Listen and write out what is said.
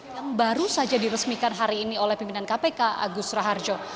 yang baru saja diresmikan hari ini oleh pimpinan kpk agus raharjo